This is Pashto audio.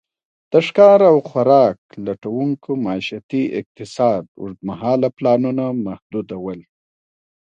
د ښکار او خوراک لټونکو معیشتي اقتصاد اوږد مهاله پلانونه محدود ول.